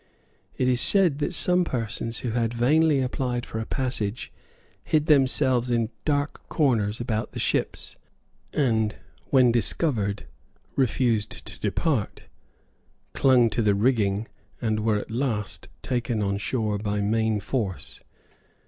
It is said that some persons who had vainly applied for a passage hid themselves in dark corners about the ships, and, when discovered, refused to depart, clung to the rigging, and were at last taken on shore by main force.